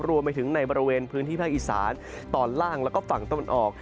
รวมไปถึงในบริเวณพื้นที่ภาคอีสานตอนล่างแล้วก็ฝั่งตะวันออก